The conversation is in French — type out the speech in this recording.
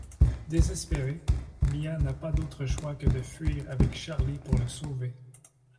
Désespérée, Mia n’a pas d’autre choix que de fuir avec Charlie pour le sauver.